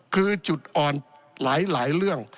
คือจุดอ่อนหลายเรื่อง